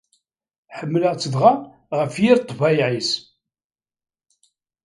Ḥemmleɣ-tt dɣa ɣef yir ṭṭbayeɛ-is.